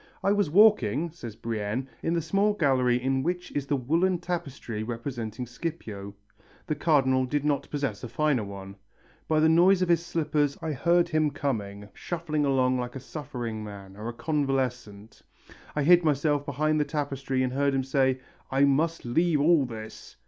"I was walking," says Brienne, "in the small gallery in which is the woollen tapestry representing Scipio the Cardinal did not possess a finer one. By the noise of his slippers I heard him coming, shuffling along like a suffering man or a convalescent. I hid myself behind the tapestry and heard him say, 'I must leave all this!